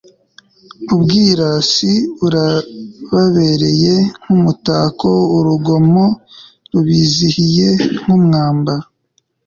ubwirasi burababereye nk'umutako, urugomo rubizihiye nk'umwambaro